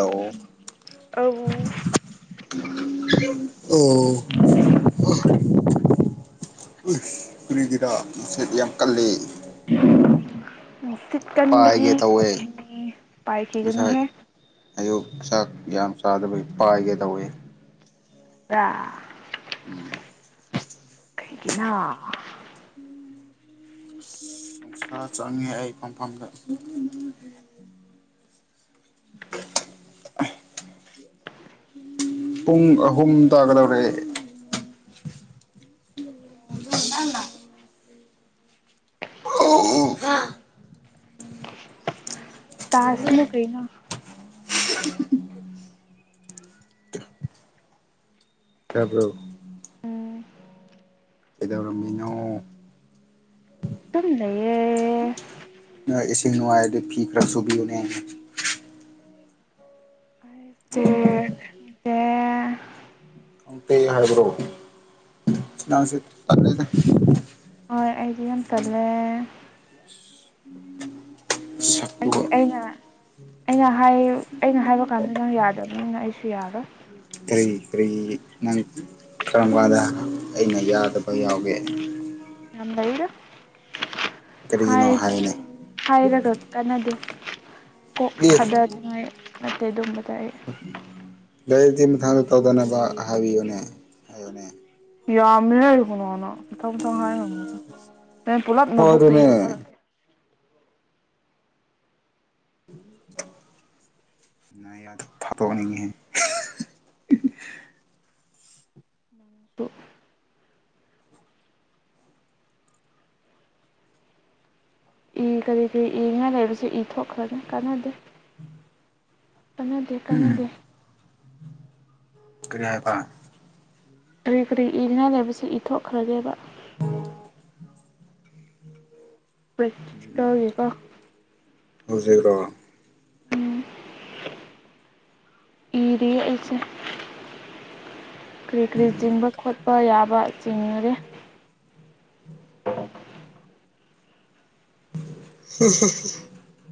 ꯑꯣ ꯑꯧ [inaudible] ꯑꯣ ꯀꯔꯤꯒꯤꯔ ꯃꯁꯠ ꯌꯥꯝ ꯀꯜꯂꯤ ꯅꯨꯡꯁꯤꯠ ꯀꯟꯕꯗꯤ ꯄꯥꯏꯒꯦ ꯇꯧꯋꯦ ꯐꯕꯅꯤ ꯉꯁꯥꯏ ꯄꯥꯏꯈꯤꯒꯅꯨꯍꯦ ꯑꯌꯨꯛ ꯆꯥꯛ ꯌꯥꯝ ꯆꯥꯗꯕꯒꯤ ꯄꯥꯏꯒꯦ ꯇꯧꯋꯤ ꯗ ꯎꯝ ꯀꯩꯒꯤꯅꯣ ꯅꯨꯡꯁꯥ ꯆꯪꯉꯦ ꯑꯩ ꯐꯪꯐꯝꯗ ꯄꯨꯡ ꯑꯍꯨꯝ ꯇꯥꯒꯗꯧꯔꯦ ꯇꯥꯁꯅꯨ ꯀꯩꯅꯣ ꯇꯥꯕ꯭ꯔꯣ ꯎꯝ ꯀꯩꯗꯧꯔꯝꯃꯤꯅꯣ ꯇꯝ ꯂꯩꯌꯦ ꯑꯦꯁꯤꯡ ꯅꯨꯡꯉꯥꯏꯗ ꯐꯤ ꯈꯔ ꯁꯨꯕꯤꯎꯅꯦ ꯏꯇꯦ ꯈꯪꯇꯦ ꯍꯥꯏꯕ꯭ꯔꯣ ꯅꯪꯁꯤ ꯇꯜꯂꯦꯗ ꯍꯣꯏ ꯑꯩꯗꯤ ꯌꯥꯝ ꯇꯜꯂꯦ ꯁꯛꯇꯨꯒ ꯑꯩꯗꯤ ꯑꯩꯅ ꯑꯩꯅ ꯍꯥꯏ ꯑꯩꯅ ꯍꯥꯏꯕ ꯀꯥꯟꯗ ꯅꯪ ꯌꯥꯗꯕꯅꯤꯅꯤꯅ ꯑꯩꯁꯨ ꯌꯥꯔꯣꯏ ꯀꯔꯤ ꯀꯔꯤ ꯅꯪ ꯀꯔꯝ ꯀꯥꯟꯗꯥ ꯑꯩꯅ ꯌꯥꯗꯕ ꯌꯥꯎꯒꯦ ꯂꯩ ꯂꯩꯔ ꯀꯔꯤꯒꯤꯅꯣ ꯍꯥꯏꯗꯨꯅ ꯍꯥꯏꯌꯨꯅꯦ ꯍꯥꯏꯔꯒ ꯀꯅꯗꯦ ꯀꯣꯛ ꯑꯦ ꯈꯗꯅꯨꯡꯉꯥꯏ ꯅꯇꯩ ꯑꯗꯨꯝꯕ ꯇꯥꯏ ꯂ ꯊꯤ ꯃꯊꯥꯡꯗ ꯇꯧꯗꯅꯕ ꯍꯥꯏꯕꯤꯌꯨꯅꯦ ꯍꯥꯏꯌꯣꯅꯦ ꯌꯥꯝꯃꯦ ꯍꯥꯏ ꯀꯅꯣꯅ ꯃꯊꯪ ꯃꯊꯪ ꯍꯥꯏꯔꯝꯃꯗꯣ ꯅ ꯄꯨꯂꯛ ꯍꯣꯏ ꯅꯕꯣꯛꯛ ꯇ ꯑꯗꯨꯅꯦ ꯊꯔꯛꯦ ꯅ ꯌꯥꯗ ꯐꯠꯇꯅꯤꯍ ꯑꯣ ꯏ ꯀꯔꯤ ꯀꯔꯤ ꯏꯉꯥꯏ ꯂꯩꯔꯁꯨ ꯏ ꯊꯣꯛꯈ꯭ꯔꯅꯤ ꯀꯥꯟꯅꯗꯦ ꯀꯥꯟꯅꯗꯦ ꯎꯝ ꯀꯥꯟꯅꯗꯦ ꯀꯔꯤ ꯍꯥꯏꯇ ꯀꯔꯤ ꯀꯔꯤ ꯏꯅꯤꯡꯉ ꯂꯩꯕꯕꯁꯤ ꯏꯊꯣꯛꯈ꯭ꯔꯒꯦꯕ ꯎꯝ ꯇꯒꯀ ꯍꯧꯖꯤꯛꯔ꯭ꯔꯣ ꯎ ꯏꯗꯤꯌꯥꯁꯦ ꯀꯔꯤ ꯀꯔꯤ ꯆꯤꯡꯕ ꯈꯣꯠꯄ ꯌꯥꯕ ꯆꯤꯡꯅꯔꯦ ꯎ [unintelligible]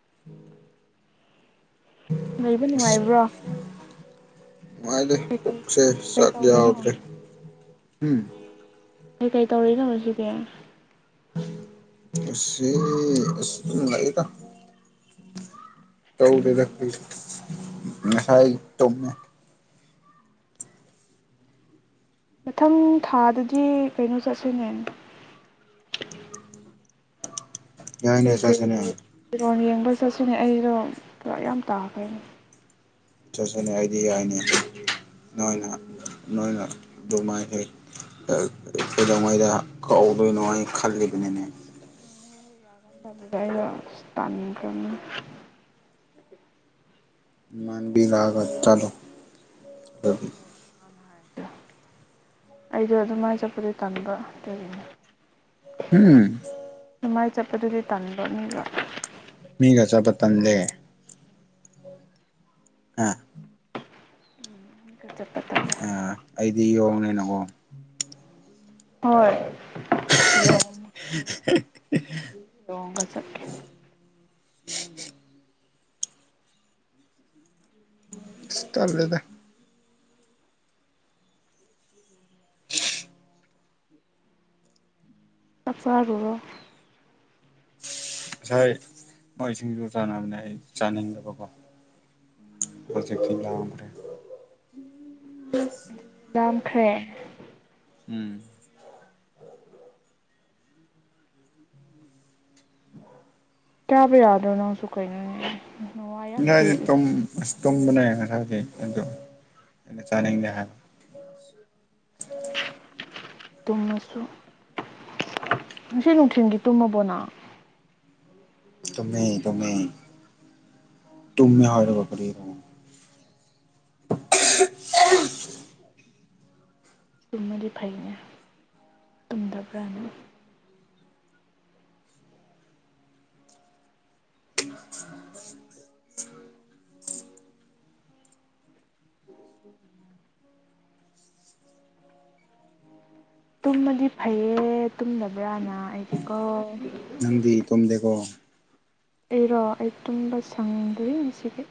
[unintelligible] ꯂꯩꯕ ꯅꯨꯡꯉꯥꯏꯕ꯭ꯔꯣ ꯅꯨꯡꯉꯥꯏꯔꯦ ꯀꯩꯀꯩ ꯄꯨꯛꯁꯦ ꯀꯩꯀꯩ ꯁꯥꯛ ꯇꯧꯔꯤꯅꯣ ꯌꯥꯎꯗ꯭ꯔꯦ ꯎꯝ ꯀꯩꯀꯩ ꯇꯧꯔꯤꯅꯣ ꯁꯤꯒꯦ ꯊ ꯂꯗ ꯇꯧꯗꯁ ꯇꯧ ꯃꯊꯪ ꯊꯥꯗꯗꯤ ꯀꯩꯅꯣ ꯆꯠꯁꯤꯅꯦ ꯌꯥꯏꯅꯦ ꯑꯩꯣꯏ ꯀꯣꯏ ꯆꯠꯁꯤꯅꯦ ꯇꯔꯣꯅꯤ ꯌꯦꯡꯒ ꯆꯠꯁꯤꯅꯦ ꯑꯩꯗꯣ ꯄꯨꯔꯛ ꯌꯥꯝ ꯇꯥꯈꯩꯅꯦ ꯆꯠꯁꯅꯦ ꯑꯩꯗꯤ ꯌꯥꯏꯅꯦ ꯅꯣꯏꯅ ꯅꯣꯏꯅ ꯑꯗꯨꯃꯥꯏꯁꯦ ꯀꯩꯗꯧꯉꯩꯗ ꯀꯥꯎꯗꯣꯏꯅꯣ ꯍꯥꯏ ꯈꯜꯂꯤꯕꯅꯤꯅꯦ ꯌꯥꯒ ꯇꯗ ꯁꯅꯤꯡ ꯀꯅꯤ ꯃꯥꯟꯕꯤ ꯂꯑꯒ ꯆꯂꯣ ꯑꯗꯨꯅꯦ ꯍꯥꯏ ꯑꯩꯗꯣ ꯑꯗꯨꯃꯥꯏꯅ ꯆꯠꯄꯗ ꯇꯝꯕ ꯑꯗꯨꯔꯤꯅꯦ ꯎꯝ ꯃꯥꯏ ꯆꯠꯄꯗꯨꯗꯤ ꯇꯟꯕꯅꯤꯕ ꯃꯤꯒꯆꯥꯕ ꯇꯟ ꯂꯩꯦ ꯑꯥ ꯈ ꯆꯄ ꯇꯔꯦ ꯑꯥ ꯑꯩꯗꯤ ꯌꯣꯡꯅꯤꯅ ꯀꯣ ꯍꯣꯏ ꯌꯣ ꯌꯣꯡꯒ [unintelligible] ꯆꯠꯀꯦ ꯏꯁ ꯇꯜꯂꯦꯗꯥ ꯆꯥꯛ ꯆꯔꯨꯔꯣ ꯉꯁꯥꯏ ꯃꯣꯏ ꯁꯤꯡꯖꯨ ꯆꯥꯅꯕꯅꯦ ꯑꯩ ꯆꯥꯅꯤꯡꯗꯕꯀꯣ ꯄ꯭ꯔꯣꯖꯦꯛꯁꯤ ꯂꯥꯡꯈ꯭ꯔꯦ ꯑꯗꯨꯗꯥ ꯈꯔ꯭ꯦ ꯎꯝ ꯀꯌꯥ ꯄ ꯌꯥꯗꯣꯅꯁꯨ ꯀꯩꯅꯅ ꯅꯅꯦ ꯇꯝ ꯇꯨꯝꯕꯅꯦ ꯉꯁꯖꯩ ꯑꯗꯨꯣ ꯑꯩꯅ ꯆꯥꯅꯤꯡꯗꯦ ꯍꯥꯟꯅ ꯇꯨꯝꯃꯁꯨ ꯉꯁꯤ ꯅꯨꯡꯊꯤꯜꯗꯤ ꯇꯨꯝꯃꯕꯣꯅ ꯇꯨꯃꯦ ꯇꯨꯃꯦ ꯇꯨꯃꯦ ꯍꯥꯏꯔꯥꯒ ꯀꯥꯔꯤꯔꯣ ꯇꯨꯝꯃꯗꯤ ꯐꯩꯅꯦ ꯇꯨꯝꯗꯕ꯭ꯔꯥꯅ ꯇꯨꯝꯃꯗꯤ ꯐꯩꯌꯦ ꯇꯨꯝꯗꯕ꯭ꯔꯥꯅ ꯑꯩꯗꯤꯀꯣ ꯅꯪꯗꯤ ꯇꯨꯝꯗꯦꯀꯣ ꯑꯩꯔꯣ ꯑꯩ ꯇꯨꯝꯕ ꯁꯪꯗꯔꯤ ꯉꯁꯤꯗꯤ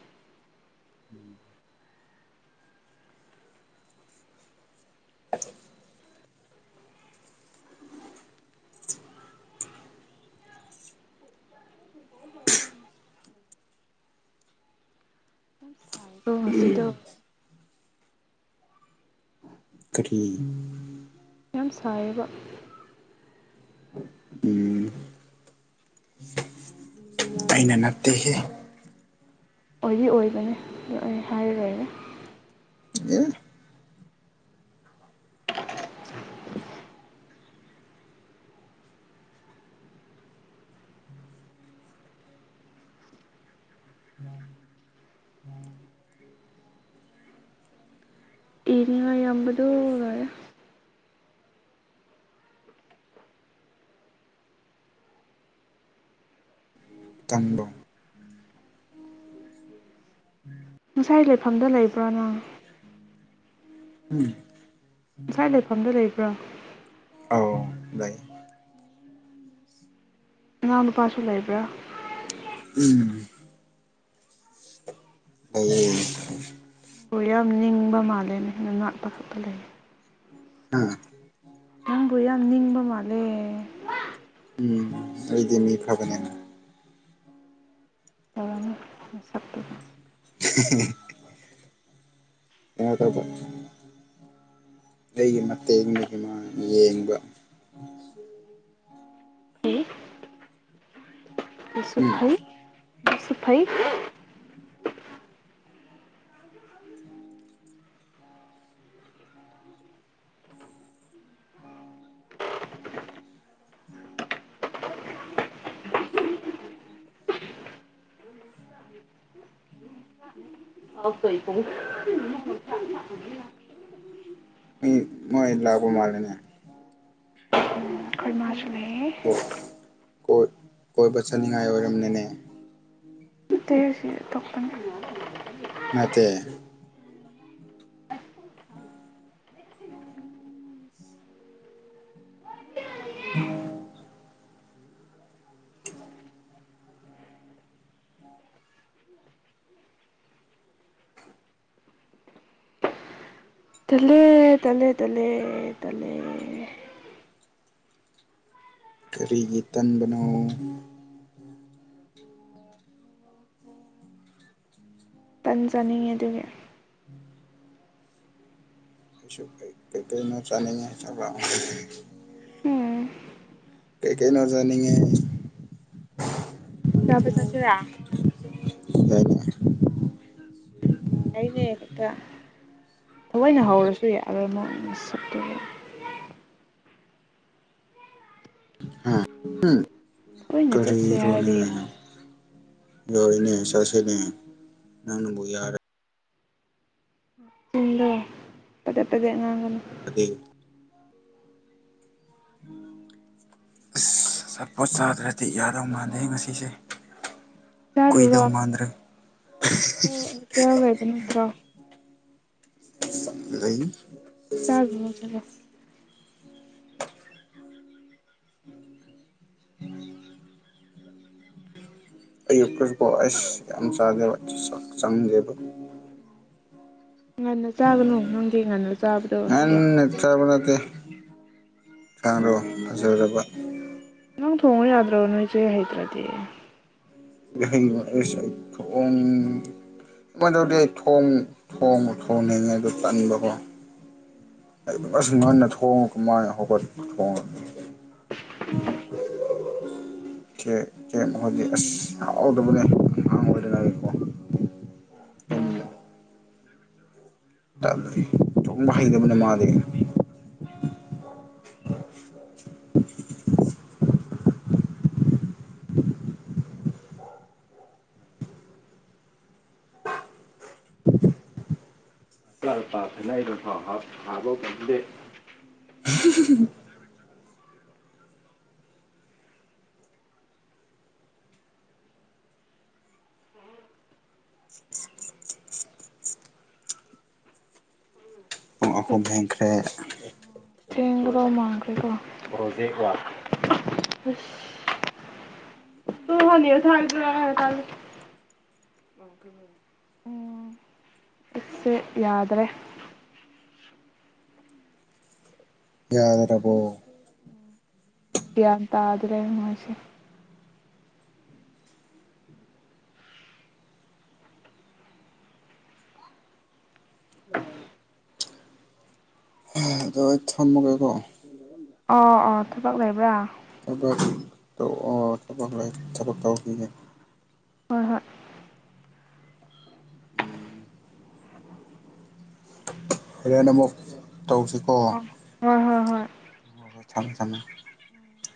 ꯄꯨꯣꯡꯁꯤꯗꯣ ꯀꯊꯤꯡ ꯌꯥꯝ ꯁꯥꯏꯌꯦꯕ ꯎꯝ ꯑꯩꯅ ꯅꯠꯇꯦꯒꯤ ꯑꯣꯏꯗꯤ ꯑꯣꯏꯕꯅꯤ ꯑꯗꯨ ꯍꯥꯏꯔꯨꯔꯔꯦ ꯑꯦ ꯏꯉ ꯑꯝꯕꯗꯣꯔ ꯆꯥꯟꯗ ꯉꯁꯥꯏ ꯂꯩꯐꯝꯗꯣ ꯂꯩꯕ꯭ꯔꯣ ꯅꯪ ꯎꯝ ꯉꯁꯥꯏ ꯂꯩꯐꯝꯗꯨ ꯂꯩꯕ꯭ꯔꯥ ꯑꯧ ꯂꯩ ꯑꯉꯎ ꯅꯨꯄꯥꯁꯨ ꯂꯩꯕ꯭ꯔꯥ ꯎꯝ ꯂꯩꯌꯦ ꯕꯨ ꯌꯥꯝ ꯅꯤꯡꯕ ꯃꯥꯜꯂꯦꯅꯦꯅ ꯉꯅꯥꯠꯄ ꯈꯛꯄ ꯂꯩꯌꯦ ꯍꯥ ꯇꯕꯨ ꯌꯥꯝ ꯌꯥꯝ ꯅꯤꯡꯕꯃꯂꯦ ꯎꯝ ꯑꯩꯗꯤ ꯃꯤ ꯐꯕꯅꯦ ꯇꯔꯅ ꯃꯁꯞ ꯇꯗ ꯀꯩꯅꯣ ꯇꯧꯕ ꯑꯩꯒꯤ ꯃꯇꯦꯡꯗꯒꯤ ꯃꯥ ꯌꯦꯡꯕ ꯎꯝ ꯐ ꯑ ꯀ ꯏꯀ [unintelligible] ꯃꯤ ꯃꯣꯏ ꯂꯥꯛꯕ ꯃꯥꯔꯅꯦ ꯑꯩꯃꯁꯨ ꯂꯩꯌꯦ ꯀꯣꯏꯕ ꯆꯠꯅꯤꯡꯉꯥꯏ ꯑꯣꯏꯔꯕꯝꯅꯤꯅꯦ ꯇꯣꯇꯤ ꯏꯁꯤ ꯇꯄꯅꯤ ꯅꯇ ꯇꯂꯦ ꯇꯂꯦ ꯇꯂꯦ ꯇꯂꯦ ꯀꯔꯤꯒꯤ ꯇꯟꯕꯅꯣ ꯇꯟ ꯆꯥꯅꯤꯡꯉꯤ ꯑꯗꯨꯒꯤ ꯀꯀꯅꯣ ꯆꯅꯤꯉ ꯆꯕ ꯎꯝ ꯀꯦ ꯀꯩꯅ ꯆꯅꯤꯡꯉ ꯆ ꯄꯩ ꯆꯁꯦꯔ ꯌꯥꯏꯅꯦ ꯉꯅꯦ ꯍꯦꯛꯇ ꯊꯑꯣꯣꯏꯅ ꯍꯧꯔꯁꯨ ꯌꯥꯕ ꯁꯛꯇ ꯑ ꯎꯝ ꯊꯑꯣꯏꯅ ꯆꯠꯁꯦ ꯍꯥꯏꯔꯗꯤ ꯌꯥꯔꯣꯏ ꯀꯔꯤꯔꯣꯅꯦꯅ ꯍꯣꯏꯅꯦ ꯆꯁꯦꯅꯦ ꯅꯪꯅꯕꯨ ꯌꯥꯔꯦ ꯆꯤꯟꯗ ꯄꯗꯦ ꯄꯦꯗꯦ ꯉꯥꯡꯒ ꯑꯗꯨ ꯑꯁ ꯁꯄꯣꯠ ꯆꯥꯗ꯭ꯔꯗꯤ ꯌꯥꯔꯧ ꯃꯥꯟꯗꯦ ꯉꯁꯤꯁꯦ ꯆꯥꯔꯨꯨꯔꯣ ꯀꯨꯏꯗꯧ ꯃꯥꯟꯗ꯭ꯔꯦ ꯀ ꯑꯣꯏꯕ ꯅꯠꯇ꯭ꯔꯣ ꯂꯩ ꯆꯥꯣ ꯆꯂꯣ [unintelligible] ꯑꯌꯨꯛꯀꯤꯄ ꯑꯩꯁ ꯌꯥꯝ ꯆꯥꯖꯦꯕ ꯆꯪꯗꯦꯕ ꯉꯟꯅ ꯆꯥꯒꯅꯨ ꯅꯪꯒꯤ ꯉꯟꯅ ꯆꯥꯕꯗꯣ ꯌꯥ ꯑꯦꯠꯇ ꯠꯇ ꯀꯥꯡꯗ ꯐꯖꯔꯕ ꯅꯪ ꯊꯣꯡꯉ ꯌꯥꯗ꯭ꯔꯣ ꯅꯣꯏꯆꯦ ꯍꯥꯏꯩꯗ꯭ꯔꯗꯤ ꯩꯁꯦ ꯑꯩ ꯊꯣꯡ ꯀꯃꯥꯏꯅ ꯇꯧꯗꯦ ꯑꯩꯣꯡꯉ ꯊꯣꯡꯅꯤꯡꯉꯦꯗ ꯆꯟꯕꯀꯣ ꯑꯩ ꯉꯁꯨ ꯉꯟꯅ ꯊꯣꯡꯉ ꯀꯃꯥꯏꯅ ꯍꯧꯒꯠꯄ ꯊꯣꯡꯉꯒ ꯆꯦꯛ ꯍꯧꯣꯏꯗꯤ ꯑꯁꯗꯕꯅꯦꯥꯡ ꯑꯣꯏꯗꯀꯣ ꯆꯣꯡꯕ ꯍꯩꯇꯕꯅꯦ ꯃꯥꯗꯤ ꯜꯄꯥ ꯊꯅꯏꯗꯥꯎ ꯊꯕ ꯉꯝꯗꯦ ꯑꯩꯈꯣ ꯍꯦꯡꯈ꯭ꯔꯦ [unintelligible] ꯏꯁꯁꯦ ꯌꯥꯗ꯭ꯔꯦ ꯌꯥꯗ꯭ꯔꯔꯕꯣ ꯒ꯭ꯌꯥꯟ ꯇꯥꯗ꯭ꯔꯦ ꯃꯣꯏꯁꯦ ꯑꯗꯣ ꯑꯩ ꯊꯝꯃꯨꯒꯦꯀꯣ ꯑꯣ ꯑꯣ ꯊꯕꯛ ꯂꯩꯕ꯭ꯔꯥ ꯊꯛ ꯊꯕꯛ ꯇꯧꯈꯤꯅꯦꯦ ꯍꯍꯣꯏ ꯍ‌ꯣꯔ‌ꯦꯅ ꯑꯃꯨꯛ ꯇꯧꯁꯤꯀꯣ ꯍꯣꯏ ꯍꯣꯏ ꯍꯣꯏ ꯊꯃ ꯊꯃ‌ꯦ ꯎꯝ